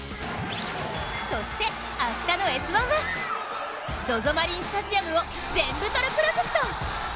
そして明日の「Ｓ☆１」はＺＯＺＯマリンスタジアムをぜんぶ撮るプロジェクト！